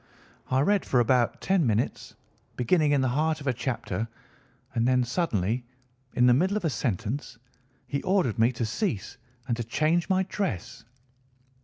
I read for about ten minutes, beginning in the heart of a chapter, and then suddenly, in the middle of a sentence, he ordered me to cease and to change my dress.